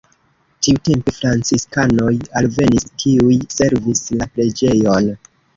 Tiutempe franciskanoj alvenis, kiuj servis la preĝejon.